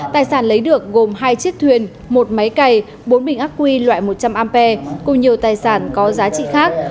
tài sản lấy được gồm hai chiếc thuyền một máy cày bốn bình ác quy loại một trăm linh amp cùng nhiều tài sản có giá trị khác